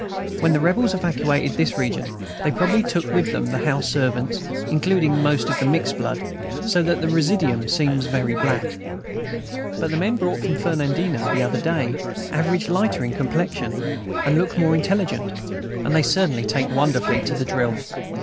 When the Rebels evacuated this region they probably took with them the house servants, including most of the mixed blood, so that the residuum seems very black. But the men brought from Fernandina the other day average lighter in complexion, and look more intelligent, and they certainly take wonderfully to the drill.